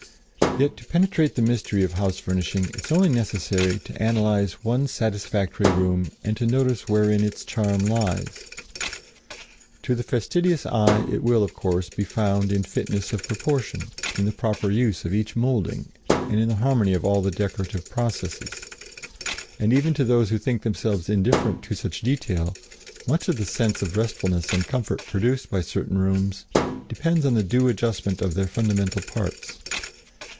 Yet to penetrate the mystery of house furnishing it is only necessary to analyze one satisfactory room and to notice wherein its charm lies. To the fastidious eye it will, of course, be found in fitness of proportion, in the proper use of each moulding and in the harmony of all the decorative processes; and even to those who think themselves indifferent to such detail, much of the sense of restfulness and comfort produced by certain rooms depends on the due adjustment of their fundamental parts.